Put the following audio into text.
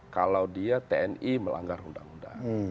kalau dia tni melanggar undang undang